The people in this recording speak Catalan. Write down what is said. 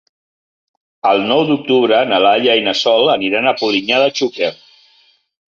El nou d'octubre na Laia i na Sol aniran a Polinyà de Xúquer.